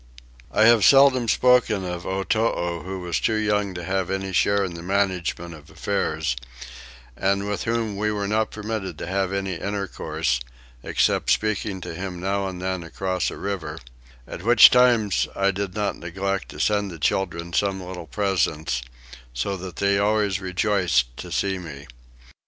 I have seldom spoken of Otoo who was too young to have any share in the management of affairs, and with whom we were not permitted to have any intercourse, except speaking to him now and then across a river; at which times I did not neglect to send the children some little presents, so that they always rejoiced to see me.